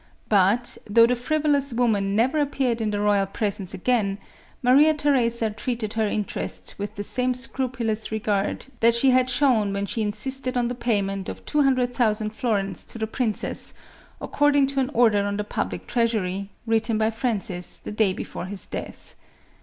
But, though the frivolous woman never appeared in the royal presence again, Maria Theresa treated her interests with the same scrupulous regard that she had shown when she insisted on the payment of two hundred thousand florins to the prin cess, according to an order on the public treasury, written by Francis the day before his death.